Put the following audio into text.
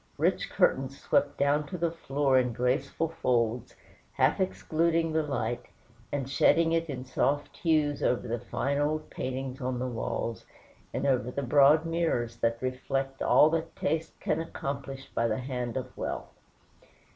Rich curtains swept down to the floor in graceful folds, half excluding the light, and shedding it in soft hues over the fine old paintings on the walls, and over the broad mirrors that reflect all that taste can accomplish by the hand of wealth.